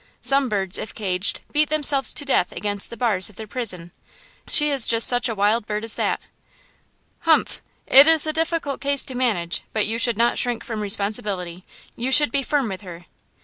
Some birds, if caged, beat themselves to death against the bars of their prison. She is just such a wild bird as that." "Humph! it is a difficult case to manage; but you should not shrink from responsibility; you should be firm with her."